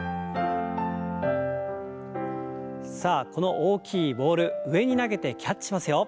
さあこの大きいボール上に投げてキャッチしますよ。